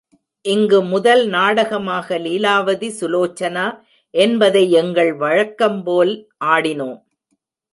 இங்கு முதல் நாடகமாக லீலாவதி சுலோசனா என்பதை எங்கள் வழக்கம்போல் ஆடினோம்.